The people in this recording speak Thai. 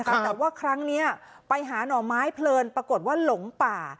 แต่ว่าครั้งนี้ไปหาหน่อไม้เพลินปรากฏว่าหลงป่า